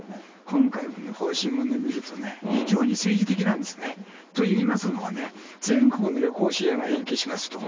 今回の方針を見るとね、非常に政治的なんですよね。といいますのはね、全国の旅行支援は延期しますと。